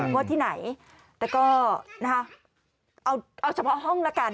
ว่าที่ไหนแต่ก็เอาเฉพาะห้องละกัน